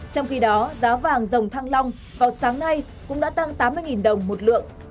trong khi đó giá vàng dòng thăng long vào sáng nay cũng đã tăng tám mươi đồng một lượng